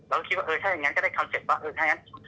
เราก็คิดว่าเออถ้าอย่างนั้นก็ได้คอนเซ็ปต์ว่าเออถ้างั้น